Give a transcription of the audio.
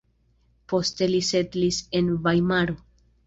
Poste li setlis en Vajmaro.